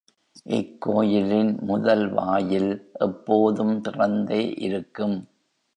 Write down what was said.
இக்கோயிலின் முதல் வாயில் எப்போதும் திறந்தே இருக்கும்.